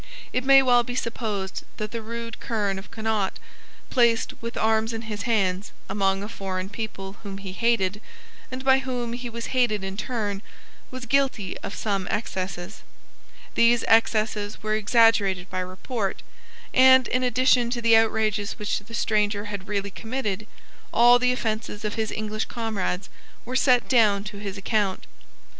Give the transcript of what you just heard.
It may well be supposed that the rude kerne of Connaught, placed, with arms in his hands, among a foreign people whom he hated, and by whom he was hated in turn, was guilty of some excesses. These excesses were exaggerated by report; and, in addition to the outrages which the stranger had really committed, all the offences of his English comrades were set down to his account.